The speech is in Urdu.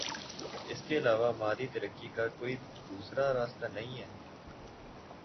اس کے علاوہ مادی ترقی کا کوئی دوسرا راستہ نہیں ہے۔